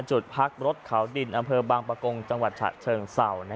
จุดพักรถเขาดินอำเภอบางประกงจังหวัดฉะเชิงเศร้า